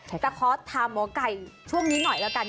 แต่ขอถามหมอก่ายช่วงนี้หน่อยล่ะก่อน